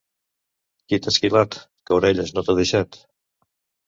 Qui t'ha esquilat, que orelles no t'ha deixat?